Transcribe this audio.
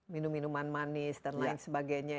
minum minuman manis dan lain sebagainya